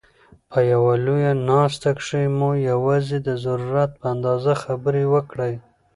په یوه لویه ناست کښي مو یوازي د ضرورت په اندازه خبري وکړئ!